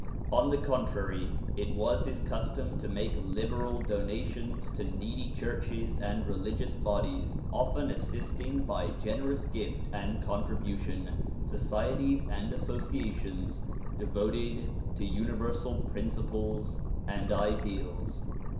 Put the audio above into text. On the contrary, it was his custom to make liberal donations to needy churches and religious bodies, often assisting by generous gift and contribution, societies and associa tions devoted to universal principles and ideals.